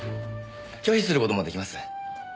拒否する事も出来ます。